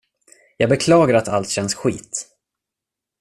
Jag beklagar att allt känns skit.